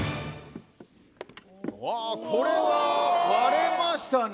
あぁこれは割れましたね。